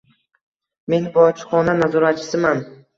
Men bojxona nazoratchisiman.